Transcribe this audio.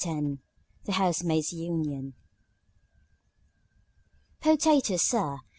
X THE HOUSEMAID'S UNION "Potatoes, sir?"